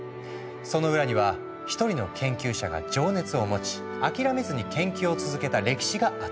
その裏には一人の研究者が情熱を持ち諦めずに研究を続けた歴史があった。